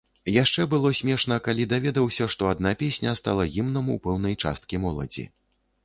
Яшчэ было смешна, калі даведаўся, што адна песня стала гімнам у пэўнай часткі моладзі.